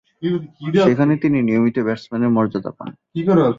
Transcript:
সেখানে তিনি নিয়মিত ব্যাটসম্যানের মর্যাদা পান।